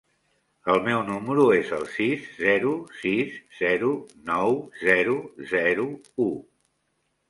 El meu número es el sis, zero, sis, zero, nou, zero, zero, u.